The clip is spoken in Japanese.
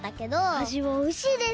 あじはおいしいです！